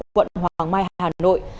quận hoàng mai hà nội